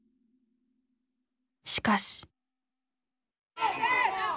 しかし。